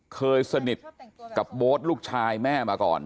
เคยสนิทกับโบ๊ทลูกชายแม่มาก่อน